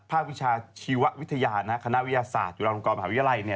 วิชาชีววิทยาคณะวิทยาศาสตร์จุฬาลงกรมหาวิทยาลัย